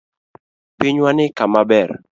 Pinywani kama ber.